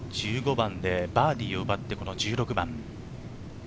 １５番でバーディーを奪って、この１６番。